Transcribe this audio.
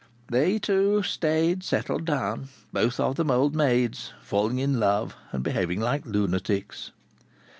They two, staid, settled down, both of them "old maids," falling in love and behaving like lunatics!